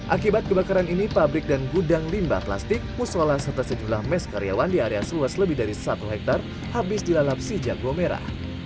akibat kebakaran ini pabrik dan gudang limbah plastik musola serta sejumlah mes karyawan di area seluas lebih dari satu hektare habis dilalap si jago merah